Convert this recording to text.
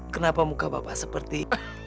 kenapa muka bapak seperti